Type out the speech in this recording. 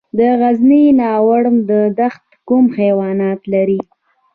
د غزني ناور دښته کوم حیوانات لري؟